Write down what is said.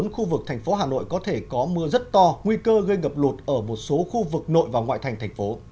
bốn khu vực thành phố hà nội có thể có mưa rất to nguy cơ gây ngập lụt ở một số khu vực nội và ngoại thành thành phố